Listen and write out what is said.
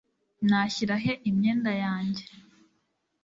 nashyira he imyenda yanjye